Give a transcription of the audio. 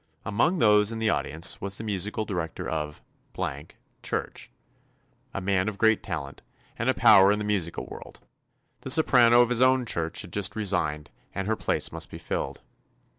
Among those in the audi ence was the musical director of church, — a man of great talent, and 206 TOMMY POSTOFFICE a power in the musical world. The soprano of his own church had just resigned and her place must be filled.